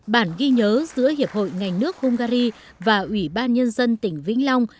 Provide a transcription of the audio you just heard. bản ghi nhớ giữa hiệp hội ngành nước hungary và ủy ban nhân dân tỉnh vĩnh long